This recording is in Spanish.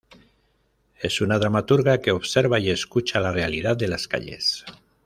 Es una dramaturga que observa y escucha la realidad de las calles.